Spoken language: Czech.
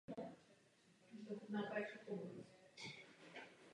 Jednalo se o juniorský tým New Yorku Rangers.